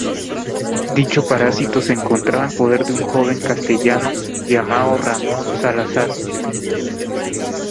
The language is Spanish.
Dicho parásito se encontraba en poder de un joven castellano llamado Ramón Salazar.